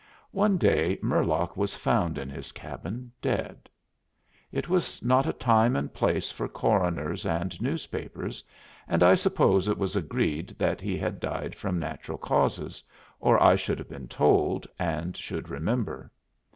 One day Murlock was found in his cabin, dead. It was not a time and place for coroners and newspapers, and I suppose it was agreed that he had died from natural causes or I should have been told, and should remember.